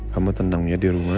kamu tenang ya di rumah